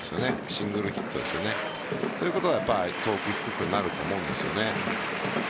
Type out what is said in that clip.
シングルヒット。ということは投球低くなると思うんですよね。